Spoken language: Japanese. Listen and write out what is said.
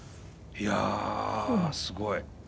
いやすごい。